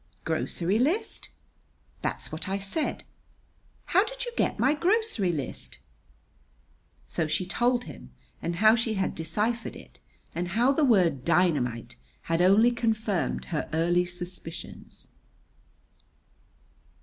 "Grocery list?" "That's what I said." "How did you get my grocery list?" So she told him, and how she had deciphered it, and how the word "dynamite" had only confirmed her early suspicions.